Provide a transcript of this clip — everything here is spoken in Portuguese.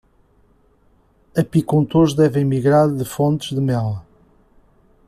Apicultores devem migrar de fontes de mel